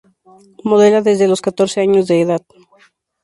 Modela desde los catorce años de edad.